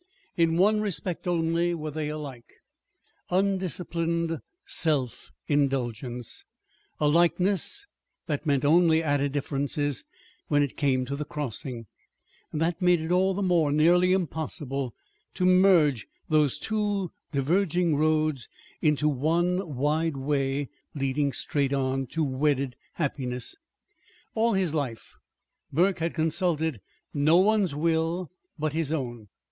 In one respect only were they alike: undisciplined self indulgence a likeness that meant only added differences when it came to the crossing; and that made it all the more nearly impossible to merge those two diverging roads into one wide way leading straight on to wedded happiness. All his life Burke had consulted no one's will but his own.